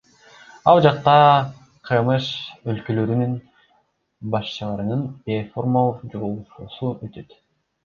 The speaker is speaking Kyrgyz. Ал жакта КМШ өлкөлөрүнүн башчыларынын бейформал жолугушуусу өтөт.